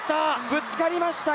ぶつかりました。